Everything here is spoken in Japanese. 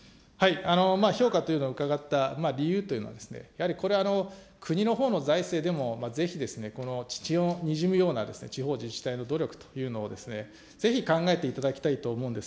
評価というのを伺った理由というのは、やはりこれは、国のほうの財政でもぜひこの血のにじむような地方自治体の努力というのをぜひ考えていただきたいと思うんです。